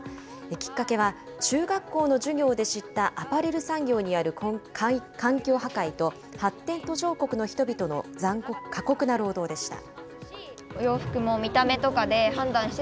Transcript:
きっかけは、中学校の授業で知ったアパレル産業にある環境破壊と、発展途上国の人々の過酷な労働でした。